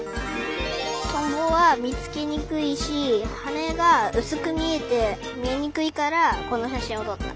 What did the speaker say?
トンボはみつけにくいしはねがうすくみえてみえにくいからこのしゃしんをとった。